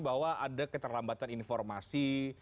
bahwa ada keterlambatan informasi